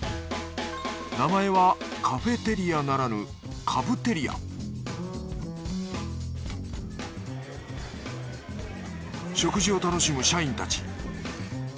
名前はカフェテリアならぬ食事を楽しむ社員たち。